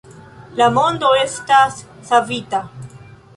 - La mondo estas savita